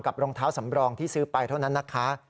รองเท้าสำรองที่ซื้อไปเท่านั้นนะคะ